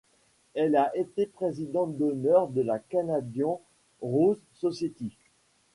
Elle a été présidente d’honneur de la Canadian Rose Society.